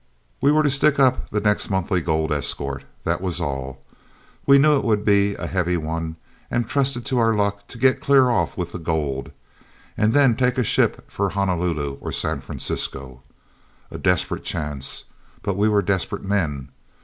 We were to stick up the next monthly gold escort. That was all. We knew it would be a heavy one and trusted to our luck to get clear off with the gold, and then take a ship for Honolulu or San Francisco. A desperate chance; but we were desperate men.